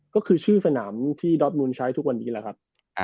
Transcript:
ก็คือชื่อสนามที่ดอฟนูนใช้ทุกวันนี้แหละครับ